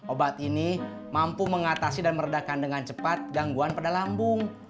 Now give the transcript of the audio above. obat ini mampu mengatasi dan meredakan dengan cepat gangguan pada lambung